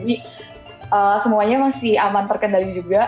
jadi semuanya masih aman terkendali juga